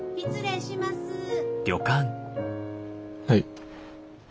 はい。